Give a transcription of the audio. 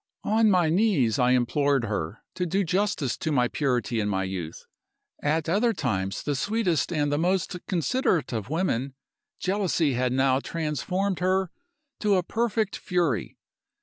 On my knees I implored her to do justice to my purity and my youth. At other times the sweetest and the most considerate of women, jealousy had now transformed her to a perfect fury.